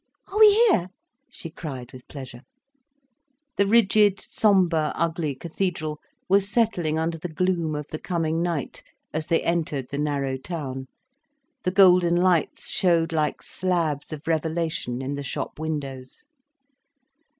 "Are we here!" she cried with pleasure. The rigid, sombre, ugly cathedral was settling under the gloom of the coming night, as they entered the narrow town, the golden lights showed like slabs of revelation, in the shop windows.